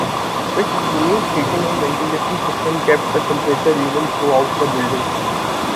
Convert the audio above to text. Its unique heating and ventilation system kept the temperature even throughout the building.